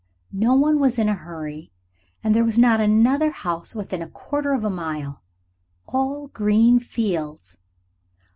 No one was in a hurry, and there was not another house within a quarter of a mile. All green fields.